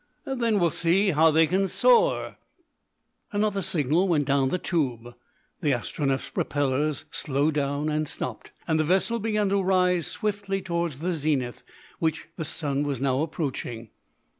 "Then we'll see how they can soar." Another signal went down the tube. The Astronef's propellers slowed down and stopped, and the vessel began to rise swiftly towards the zenith, which the sun was now approaching.